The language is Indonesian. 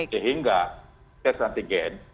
sehingga test antigen